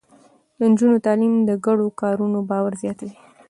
د نجونو تعليم د ګډو کارونو باور زياتوي.